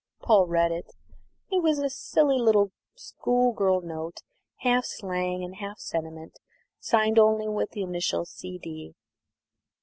Paul read it. It was a silly little school girl note, half slang and half sentiment, signed only with the initials C.D.